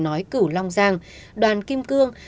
nói cửu long giang đoàn kim cương